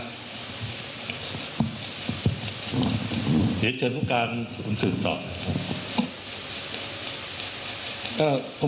เดี๋ยวเฉินคุณการสืบบางทีตอบ